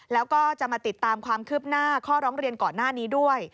แล้วก็จะมาติดตามความคืบหน้าข้อร้องเรียนก่อนหน้านี้ด้วย